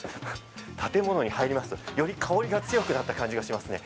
建物に入りますと、より香りが強くなった感じがしますね。